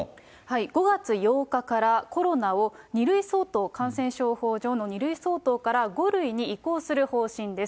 ５月８日から、コロナを２類相当、感染症法上の２類相当から５類に移行する方針です。